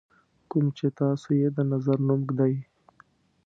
کوم چې تاسو یې د نظر نوم ږدئ.